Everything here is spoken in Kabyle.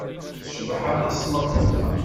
Tecbeḥ aṭas tmeṭṭut-a.